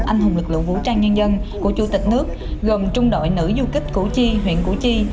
anh hùng lực lượng vũ trang nhân dân của chủ tịch nước gồm trung đội nữ du kích củ chi huyện củ chi